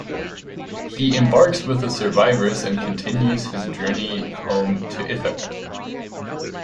He embarks with the survivors and continues his journey home to Ithaca.